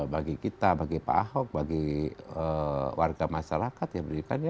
bagi kita bagi pak ahok bagi warga masyarakat yang pendidikannya